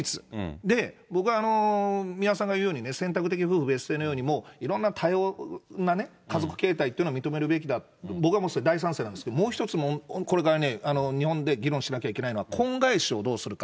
で、僕は三輪さんが言うように、選択的夫婦別姓のように、いろんな多様な家族形態っていうのを認めるべきだって、僕は大賛成なんですけど、もう一つ、これからね、日本で議論しなきゃいけないのは、婚外子をどうするか。